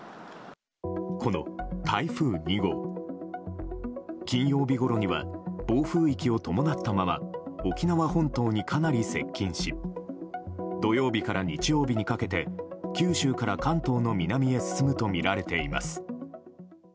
この台風２号、金曜日ごろには暴風域を伴ったまま沖縄本島にかなり接近し土曜日から日曜日にかけて九州から関東の南へ進むとみられています。